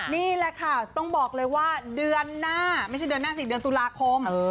นี่แหละค่ะต้องบอกเลยว่าเดือนหน้าไม่ใช่เดือนหน้า๔เดือนตุลาคม